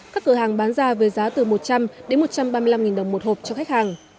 các cửa hàng bán ra với giá từ một trăm linh đến một trăm ba mươi năm đồng một hộp cho khách hàng